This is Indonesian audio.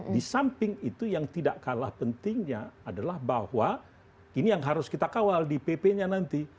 di samping itu yang tidak kalah pentingnya adalah bahwa ini yang harus kita kawal di pp nya nanti